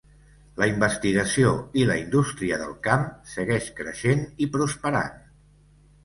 La investigació i la indústria del camp segueix creixent i prosperant.